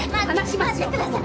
待ってください。